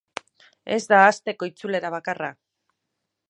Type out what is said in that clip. Ez da asteko itzulera bakarra.